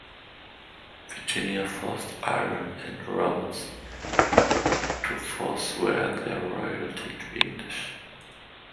Virginia forces Iron and Rhodes to forswear their loyalty to the English.